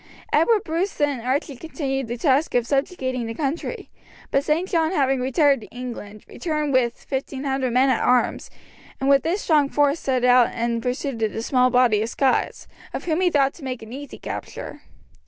Edward Bruce and Archie continued the task of subjugating the country; but St. John having retired to England, returned with fifteen hundred men at arms, and with this strong force set out in pursuit of the small body of Scots, of whom he thought to make an easy capture.